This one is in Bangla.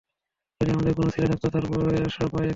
যদি আমাদের কোনও ছেলে থাকত, তার বয়সও প্রায় একই হতো।